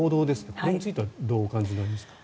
これについてはどうお感じになりますか。